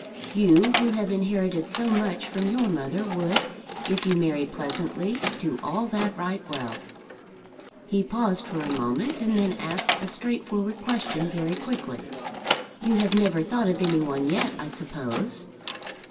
You who have inherited so much from your mother would, if you married pleasantly, do all that right well." He paused for a moment and then asked a straightforward question, very quickly "You have never thought of any one yet, I suppose?"